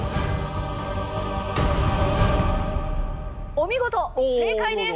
お見事正解です！